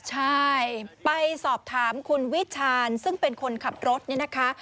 ใช่ไปสอบถามคุณวิชาญซึ่งเป็นคนขับรถเนี่ยนะคะ